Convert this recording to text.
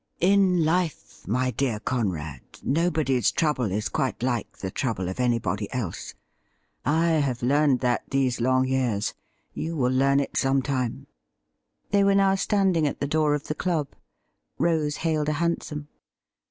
' In life, my dear Conrad, nobody's trouble is quite like the trouble of anybody else. I have learned that these long years. You will learn it some time.' They were now standing at the door of the club. Rose hailed a hansom.